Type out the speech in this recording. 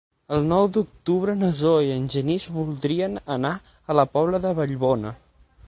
El nou d'octubre na Zoè i en Genís voldrien anar a la Pobla de Vallbona.